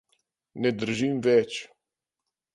Ne držim več.